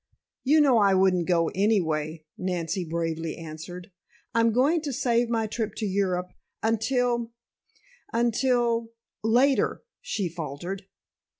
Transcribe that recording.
"You know I wouldn't go, anyway," Nancy bravely answered. "I'm going to save my trip to Europe, until until later," she faltered.